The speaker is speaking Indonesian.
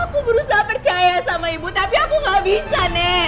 aku berusaha percaya sama ibu tapi aku gak bisa nih